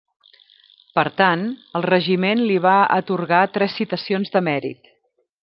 Per tant, el regiment li va atorgar tres citacions de Mèrit.